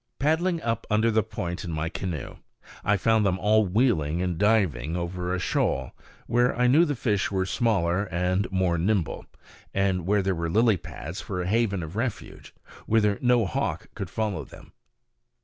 Paddling up under the point in my canoe, I found them all wheeling and diving over a shoal, where I knew the fish were smaller and more nimble, and where there were lily pads for a haven of refuge, whither no hawk could follow them.